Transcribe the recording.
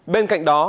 bên cạnh đó